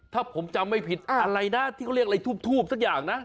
ถ้าผมจำไม่ผิดอะไรนะที่เขาเรียกอะไรทูบสักอย่างนะ